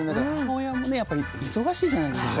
母親もね忙しいじゃないですか。